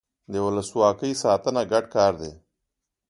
د ولسواکۍ ساتنه ګډ کار دی